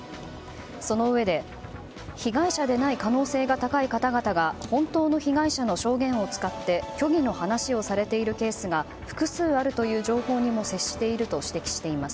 そのうえで被害者でない可能性が高い方々が本当の被害者の証言を使って虚偽の話をされているケースが複数あるという情報にも接していると指摘しています。